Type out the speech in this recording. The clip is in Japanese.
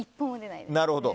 なるほど。